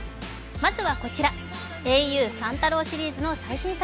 まずはこちら、ａｕ・三太郎シリーズの最新作。